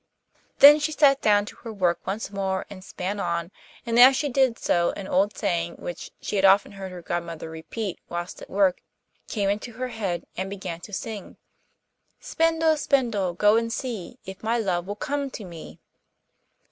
Then she sat down to her work once more and span on, and as she did so an old saying which, she had often heard her godmother repeat whilst at work, came into her head, and she began to sing: 'Spindle, spindle, go and see, If my love will come to me.